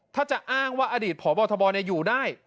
ถ้าจะอ้างว่าอดีตพบทบอยู่ได้